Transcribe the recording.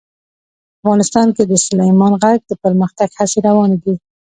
افغانستان کې د سلیمان غر د پرمختګ هڅې روانې دي.